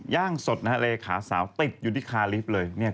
ย่างสดนะฮะเลขาสาวติดอยู่ที่คาลิฟต์เลย